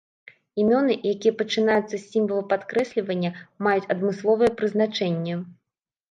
Імёны, якія пачынаюцца з сімвала падкрэслівання, маюць адмысловае прызначэнне.